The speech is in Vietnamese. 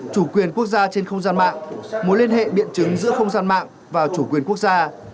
chủ quyền quốc gia trên không gian mạng mối liên hệ biện chứng giữa không gian mạng và chủ quyền quốc gia